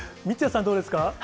三屋さん、どうですか？